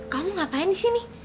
kamu ngapain disini